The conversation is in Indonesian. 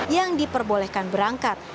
yang diperbolehkan berangkat